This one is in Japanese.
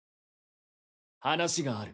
話がある。